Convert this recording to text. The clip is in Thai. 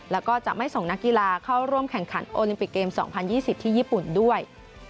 แล้วก็จะไม่ส่งนักกีฬาเข้าร่วมแข่งขันโอลิมปิกเกม๒๐๒๐ที่ญี่ปุ่นด้วย